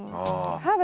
ああ。